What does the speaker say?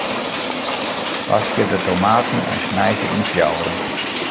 Waskje de tomaten en snij se yn fjouweren.